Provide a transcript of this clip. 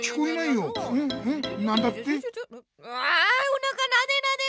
おなかなでなで。